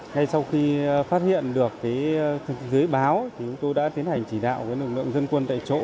ngay sau khi phát hiện được dưới báo chúng tôi đã tiến hành chỉ đạo lực lượng dân quân tại chỗ